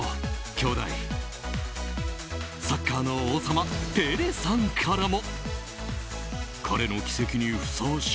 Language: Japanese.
サッカーの王様ペレさんからも。